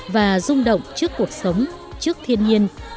và rung động trước cuộc sống trước thiên nhiên